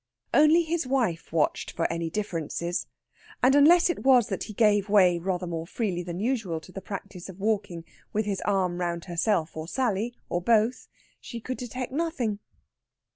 Only his wife watched for any differences, and unless it was that he gave way rather more freely than usual to the practice of walking with his arm round herself or Sally, or both, she could detect nothing.